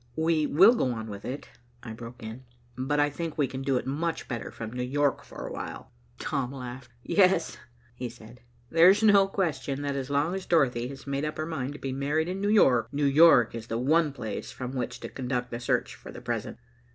"We will go on with it," I broke in. "But I think we can do it much better from New York for a while." Tom laughed. "Yes," he said. "There is no question that as long as Dorothy has made up her mind to be married in New York, New York is the one place from which to conduct the search for the present.